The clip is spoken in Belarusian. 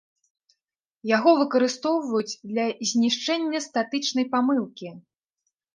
Яго выкарыстоўваюць для знішчэння статычнай памылкі.